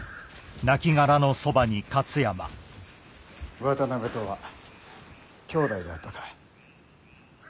渡辺とは兄妹であったか。